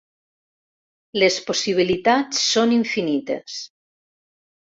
Les possibilitats són infinites.